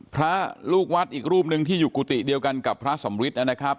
พระลูกวัดอีกรูปหนึ่งที่อยู่กุฏิเดียวกันกับพระสำริทนะครับ